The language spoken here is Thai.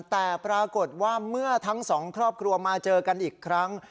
แต่ปรากฏว่าเมื่อทั้งสองครอบครัวมาเจอกันอีกครั้ง